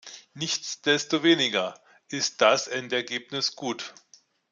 Nichtsdestoweniger ist das Endergebnis gut.